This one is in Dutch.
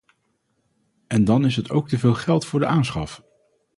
En dan is het ook teveel geld voor de aanschaf.